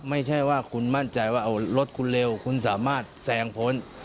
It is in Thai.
ไม่ใช่ว่าคุณมั่นใจว่ารถคุณเร็วคุณสามารถแซงพ้น